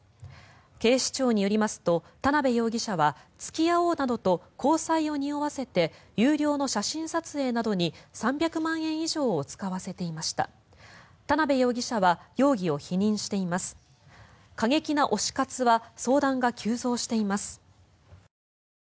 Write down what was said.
警視庁によりますと田辺容疑者は付き合おうなどと交際をにおわせて有料の写真撮影などに３００万円以上を使わせていました。